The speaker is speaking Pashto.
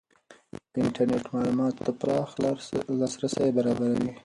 انټرنېټ معلوماتو ته پراخ لاسرسی برابروي.